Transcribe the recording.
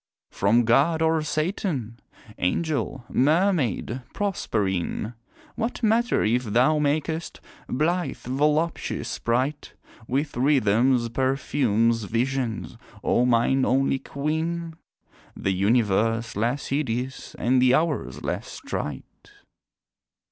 From God or Satan? Angel, Mermaid, Proserpine? What matter if thou makest blithe, voluptuous sprite With rhythms, perfumes, visions O mine only queen! The universe less hideous and the hours less trite.